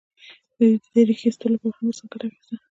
دوی د ریښې ایستلو لپاره هم ورڅخه ګټه اخیسته.